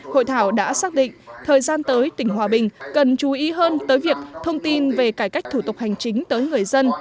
hội thảo đã xác định thời gian tới tỉnh hòa bình cần chú ý hơn tới việc thông tin về cải cách thủ tục hành chính tới người dân